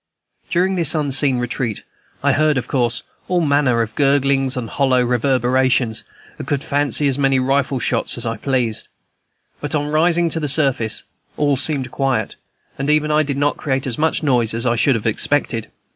During this unseen retreat, I heard, of course, all manner of gurglings and hollow reverberations, and could fancy as many rifle shots as I pleased. But on rising to the surface all seemed quiet, and even I did not create as much noise as I should have expected.